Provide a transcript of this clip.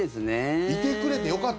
いてくれてよかった。